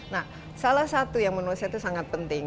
nah salah satu yang menurut saya itu sangat penting